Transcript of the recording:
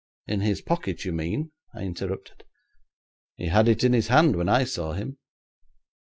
'In his pocket, you mean?' I interrupted. 'He had it in his hand when I saw him.